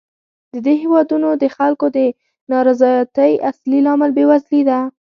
د دې هېوادونو د خلکو د نا رضایتۍ اصلي لامل بېوزلي ده.